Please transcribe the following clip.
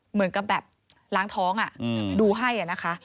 เหมือนกับแบบล้างท้องดูให้นะคะ